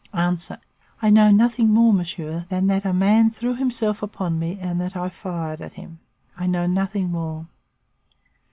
"A. I know nothing more, monsieur, than that a man threw himself upon me and that I fired at him. I know nothing more."